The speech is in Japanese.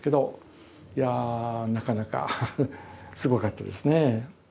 いやあなかなかすごかったですね。